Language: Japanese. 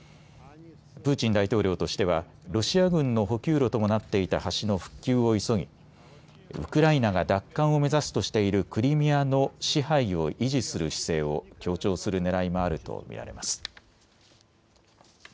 プーチン大統領としてはロシア軍の補給路ともなっていた橋の復旧を急ぎウクライナが奪還を目指すとしているクリミアの支配を維持する姿勢を強調するねらいもあると見られます。